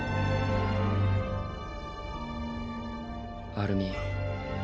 アルミン。